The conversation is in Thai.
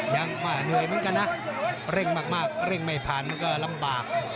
เหนื่อยเหมือนกันนะเร่งมากเร่งไม่ผ่านมันก็ลำบาก